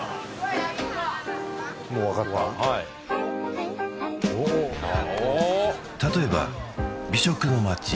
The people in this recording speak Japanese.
もう分かるわはい例えば美食の街